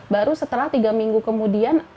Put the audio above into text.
baru setelah tiga minggu kemudian